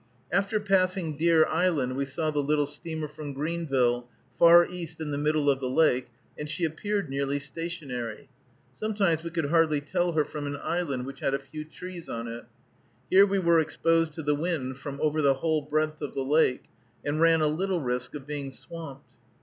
After passing Deer Island, we saw the little steamer from Greenville, far east in the middle of the lake, and she appeared nearly stationary. Sometimes we could hardly tell her from an island which had a few trees on it. Here we were exposed to the wind from over the whole breadth of the lake, and ran a little risk of being swamped.